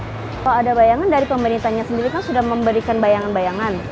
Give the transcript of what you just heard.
kalau ada bayangan dari pemerintahnya sendiri kan sudah memberikan bayangan bayangan